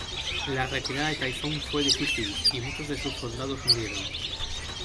La retirada de Taizong fue difícil y muchos de sus soldados murieron.